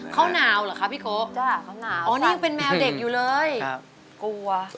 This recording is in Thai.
เขาหนาวเหรอครับพี่โค้กอ๋อนี่ยังเป็นแมวเด็กอยู่เลยกลัว